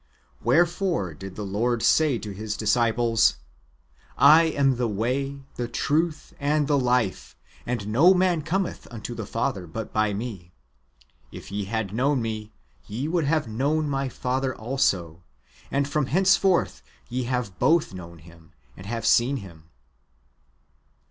Wherefore did the Lord say to His disciples, " I am the way, the truth, and the life : and no man cometh unto the Father but by me. If ye had known me, ye would have known my Father also : and from henceforth ye have both known Him, and have seen Him."